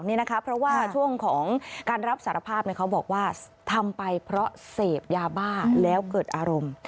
เพราะว่าช่วงของการรับสารภาพเขาบอกว่าทำไปเพราะเสพยาบ้าแล้วเกิดอารมณ์